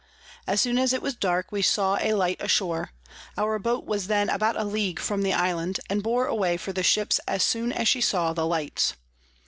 As soon as it was dark, we saw a Light ashore; our Boat was then about a League from the Island, and bore away for the Ships as soon as she saw the Lights.